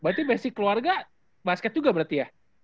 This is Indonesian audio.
berarti basic keluarga basket juga berarti ya